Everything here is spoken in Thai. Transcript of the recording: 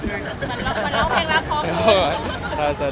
มันร้องเพลงรักพอเหมือนกัน